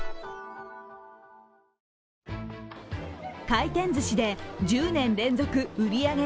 回転ずしで１０年連続売り上げ